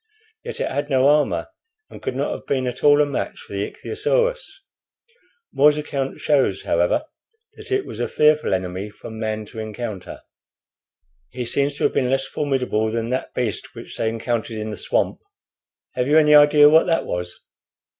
Yet it had no armor, and could not have been at all a match for the ichthyosaurus. More's account shows, however, that it was a fearful enemy for man to encounter." "He seems to have been less formidable than that beast which they encountered in the swamp. Have you any idea what that was?"